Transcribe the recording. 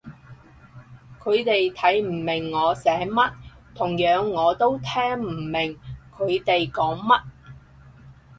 佢哋睇唔明我寫乜，同樣我都聽唔明佢哋講乜